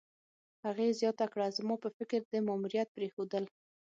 هغې زیاته کړه: "زما په فکر، د ماموریت پرېښودل